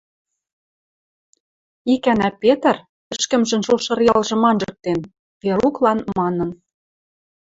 Икӓнӓ Петр, ӹшкӹмжӹн шушыр ялжым анжыктен, Веруклан манын: